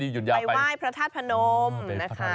ยืนยาไปไปไหว้พระธาตุพนมนะคะ